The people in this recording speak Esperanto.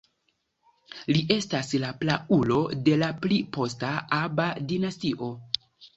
Li estas la praulo de la pli posta Aba-dinastio.